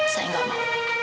saya gak mau